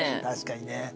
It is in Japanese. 確かにね。